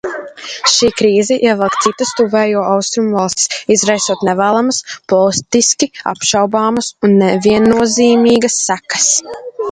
Šī krīze ievelk citas Tuvējo Austrumu valstis, izraisot nevēlamas, politiski apšaubāmas un neviennozīmīgas sekas.